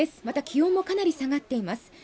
また気温もかなり下がっています